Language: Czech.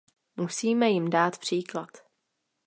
Musíme jim dát příklad.